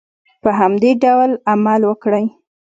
په همدې ډول عمل وکړئ.